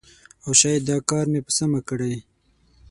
او شاید دا کار مې په سمه کړی